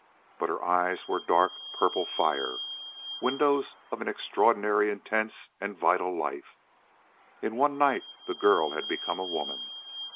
But her eyes were dark purple fire windows of an extraordinarily intense and vital life. In one night the girl had become a woman.